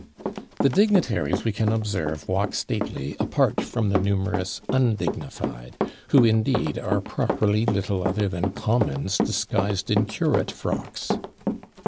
The Dignitaries, we can observe, walk stately, apart from the numerous Undignified, who, indeed, are properly little other than Commons disguised in Curate frocks.